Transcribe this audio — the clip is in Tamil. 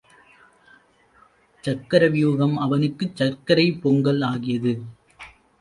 சக்கர வியூகம் அவனுக்குச் சர்க்கரைப் பொங்கல் ஆகியது.